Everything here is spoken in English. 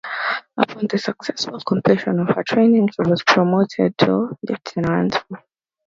Upon the successful completion of her training, she was promoted to lieutenant.